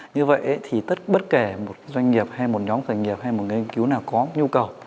như vậy thì tất bất kể một doanh nghiệp hay một nhóm khởi nghiệp hay một nghiên cứu nào có nhu cầu